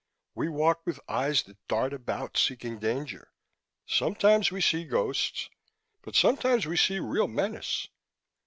We walk with eyes that dart about, seeking danger. Sometimes we see ghosts, but sometimes we see real menace.